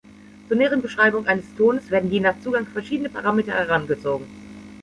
Zur näheren Beschreibung eines Tones werden je nach Zugang verschiedene Parameter herangezogen.